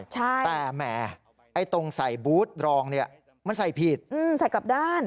แต่แหมไอ้ตรงใส่บูธรองเนี่ยมันใส่ผิดใส่กลับด้าน